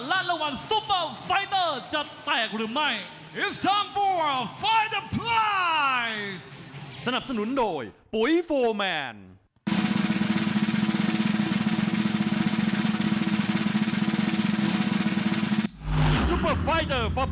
และรางวัลซูเปอร์ไฟเตอร์จะแตกหรือไม่